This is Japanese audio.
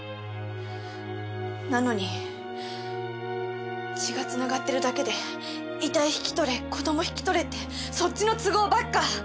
なのに血が繋がってるだけで遺体引き取れ子供引き取れってそっちの都合ばっか！